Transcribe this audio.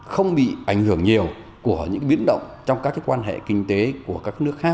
không bị ảnh hưởng nhiều của những biến động trong các quan hệ kinh tế của các nước khác